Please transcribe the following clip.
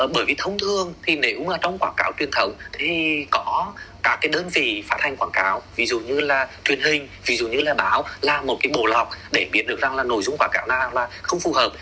bởi vì thông thường thì nếu mà trong quảng cáo truyền thống thì có các cái đơn vị phát hành quảng cáo ví dụ như là truyền hình ví dụ như là báo là một cái bộ lọc để biết được rằng là nội dung quảng cáo nào là không phù hợp